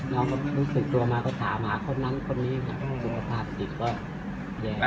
น้องมันรู้สึกตัวมาก็ถามมาคนนั้นคนนี้ค่ะสุขภาพอีกก็แย่